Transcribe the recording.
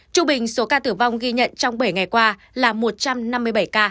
chủ bình số ca tử vong ghi nhận trong bảy ngày qua